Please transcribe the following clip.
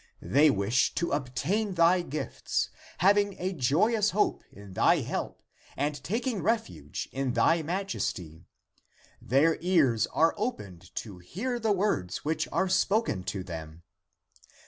They wish to obtain thy gifts, having a joyous hope in thy help and taking refuge in thy majesty. Their ears are opened to hear the words wdiich are spoken to them.